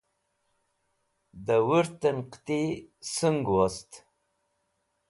da wurt'en qiti soong wost